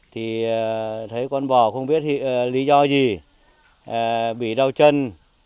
thì thấy con bò không biết lý do gì bị đau chân